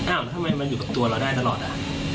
ทำไมมันอยู่กับตัวเราได้ตลอดอ่ะ